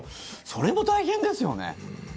それも大変ですよね。